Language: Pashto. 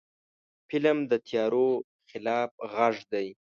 فلم د تیارو خلاف غږ دی